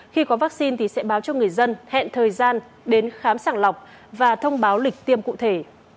khi có vaccine thì sẽ báo cho người dân hẹn thời gian đến khám sàng lọc và thông báo lịch tiêm cụ thể